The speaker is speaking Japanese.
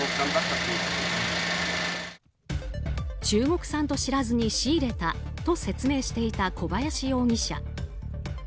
中国産と知らずに仕入れたと説明していた小林容疑者。